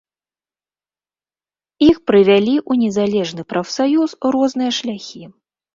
Іх прывялі ў незалежны прафсаюз розныя шляхі.